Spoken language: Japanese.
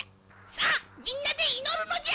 さあみんなで祈るのじゃ！」